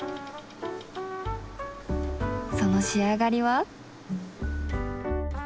その仕上がりは。